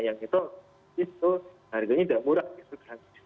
yang itu harganya tidak murah gitu kan